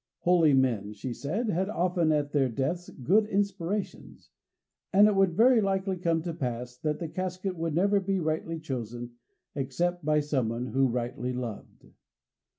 Holy men, she said, had often at their deaths good inspirations, and it would very likely come to pass that the casket would never be rightly chosen except by someone who rightly loved.